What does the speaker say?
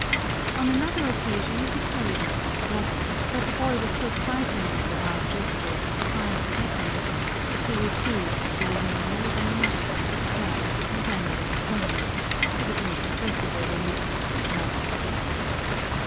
On another occasion he carried off his brother ; but the boy was so frightened at the wild gestures and cries of Nicolas, that he refused to remain more than a night in his cell and ran away home, to the inexpressible relief of his mother.